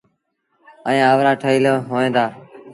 ائيٚݩ اَوآڙآ ٺهيٚل هوئيݩ دآ۔